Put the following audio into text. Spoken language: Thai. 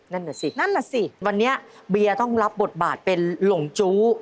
นั่นแหละสินั่นแหละสิวันนี้เบียร์ต้องรับบทบาทเป็นหลงจู้